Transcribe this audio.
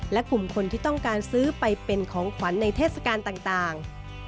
และกลุ่มคนที่ต้องการซื้อไปเป็นของขวัญในเทศกาลต่าง